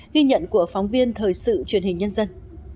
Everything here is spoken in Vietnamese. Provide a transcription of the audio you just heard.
trên thời sự truyền hình nhân dân